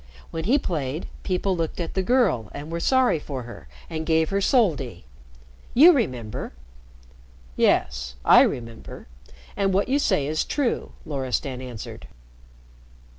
When he played, people looked at the girl and were sorry for her and gave her soldi. You remember." "Yes, I remember. And what you say is true," Loristan answered.